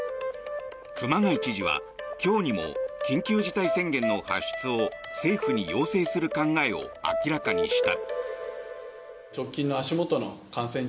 熊谷知事は今日にも緊急事態宣言の発出を政府に要請する考えを明らかにした。